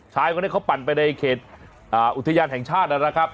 ชายคนนี้เขาปั่นไปในเขตอุทยานแห่งชาตินะครับ